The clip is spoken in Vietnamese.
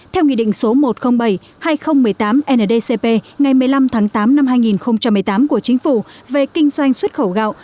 theo nghị định số một trăm linh bảy hai nghìn một mươi tám ndcp ngày một mươi năm tháng tám năm hai nghìn một mươi tám của chính phủ về kinh doanh xuất khẩu gạo